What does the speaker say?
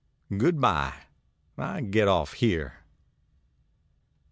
Good by: I get off here.